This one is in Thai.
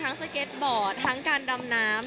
สเก็ตบอร์ดทั้งการดำน้ำ